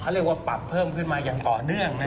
เรียกว่าปรับเพิ่มขึ้นมาอย่างต่อเนื่อง